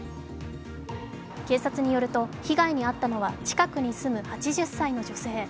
警察によると被害に遭ったのは近くに住む８０歳の女性。